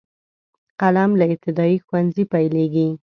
قلم له ابتدايي ښوونځي پیلیږي.